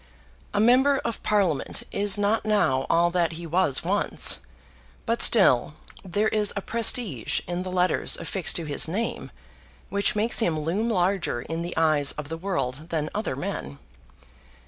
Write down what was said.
A member of Parliament is not now all that he was once, but still there is a prestige in the letters affixed to his name which makes him loom larger in the eyes of the world than other men.